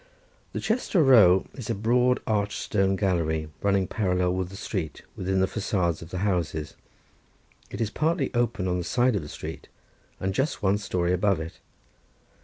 The Chester row is a broad arched stone gallery running parallel with the street within the façades of the houses; it is partly open on the side of the street, and just one story above it.